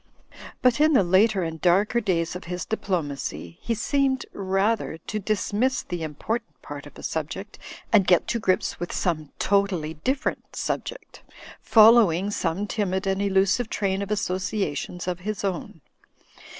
But in the later and darker days of his diplomacy, he seemed rather to dismiss the impor tant part of a subject, and get to grips with some totally different subject, following some timid and elusive train of associations of his own.